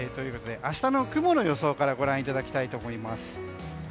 明日の雲の予想からご覧いただきたいと思います。